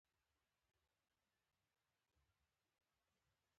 دا سرور مې پرون جوړ کړ، نن ښه چلېده.